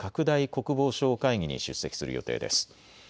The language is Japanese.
国防相会議に出席する予定です。